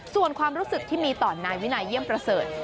ส่วนความรู้สึกที่มีต่อนายวินัยเยี่ยมประเสริฐ